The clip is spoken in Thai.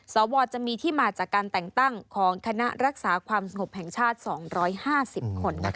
สวจะมีที่มาจากการแต่งตั้งของคณะรักษาความสงบแห่งชาติ๒๕๐คน